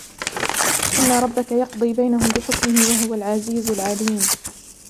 إن ربك يقضي بينهم بحكمه وهو العزيز العليم